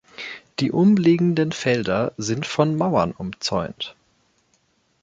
Die umliegenden Felder sind von Mauern umzäunt.